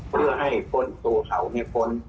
เพื่อให้คนตัวเขาพ้น